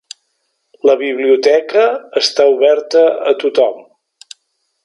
La biblioteca està oberta a tothom.